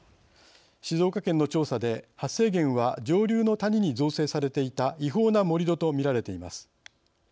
静岡県の調査で、発生源は上流の谷に造成されていた違法な盛り土と見られています。